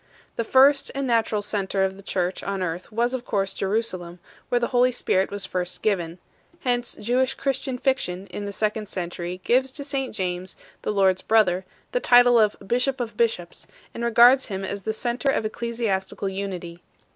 The first and natural centre of the church on earth was of course Jerusalem, where the Holy Spirit was first given; hence Jewish Christian fiction in the second century gives to St James the Lord s brother the title of "bishop of bishops 2 ," and regards him as the centre of eccle siastical unity.